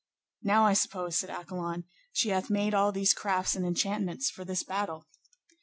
Now I suppose, said Accolon, she hath made all these crafts and enchantments for this battle.